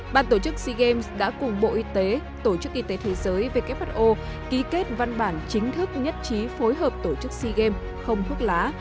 bàn tổ chức sea games đã cùng bộ y tế tổ chức y tế thế giới who ký kết văn bản chính thức nhất trí phối hợp tổ chức sea games không thuốc lá